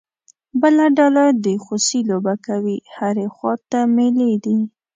بله ډله د خوسی لوبه کوي، هرې خوا ته مېلې دي.